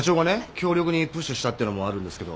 強力にプッシュしたってのもあるんですけど。